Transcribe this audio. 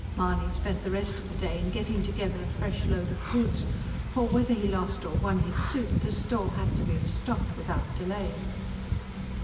Mahony spent the rest of the day in getting together a fresh load of goods. For, whether he lost or won his suit, the store had to be restocked without delay.